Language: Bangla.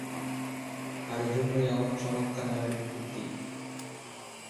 আর এজন্যই এমন চমৎকার নামের উৎপত্তি।